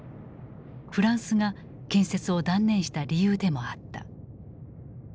フランスが建設を断念した理由でもあった。